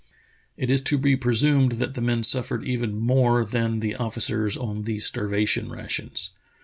It is to be presumed that the men suffered even more than the officers on these starvation rations.